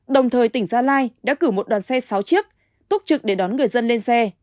đồng thời tỉnh gia lai đã cử một đoàn xe sáu chiếc túc trực để đón người dân lên xe